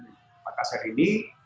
di kota makassar ini